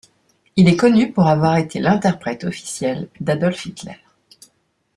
Il est connu pour avoir été l'interprète officiel d'Adolf Hitler.